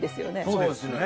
そうですよね。